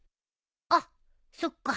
あっそっか。